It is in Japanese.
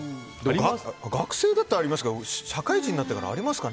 学生だったらありますけど社会人になってからありますかね。